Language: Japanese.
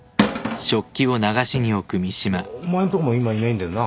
いやお前んとこも今いないんだよな？